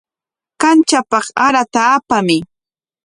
Kamchapaq sarata apamuy.